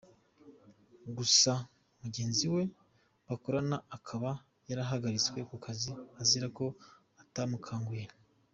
Gusa mugenzi we bakorana akaba yarahagaritswe ku kazi azira ko atamukanguye.